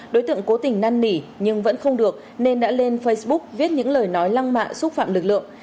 đối tượng cố tình năn nỉ nhưng vẫn không được nên đã lên facebook viết những lời nói lăng mạ xúc phạm lực lượng